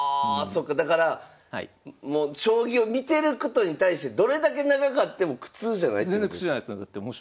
そっかだから将棋を見てることに対してどれだけ長かっても苦痛じゃないってことですよね？